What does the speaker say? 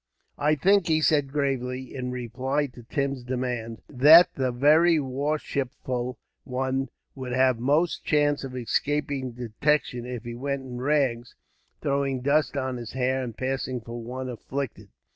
"I think," he said gravely, in reply to Tim's demand; "that the very worshipful one would have most chance of escaping detection if he went in rags, throwing dust on his hair, and passing for one afflicted."